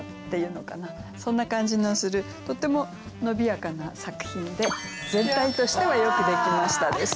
そんな感じのするとっても伸びやかな作品で全体としては「よくできました」です。